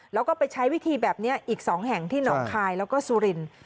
แล้วก็ไปใช้วิธีแบบนี้อีก๒แห่งที่หนองคายแล้วก็สุรินทร์